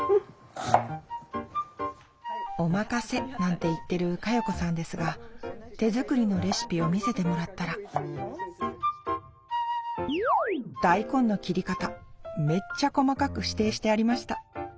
「お任せ」なんて言ってる加代子さんですが手作りのレシピを見せてもらったら大根の切り方めっちゃ細かく指定してありました！